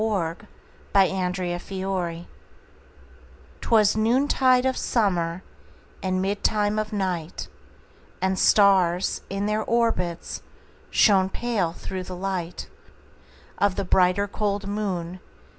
1827 Evening Star 'Twas noontide of summer, And midtime of night, And stars, in their orbits, Shone pale, through the light Of the brighter, cold moon.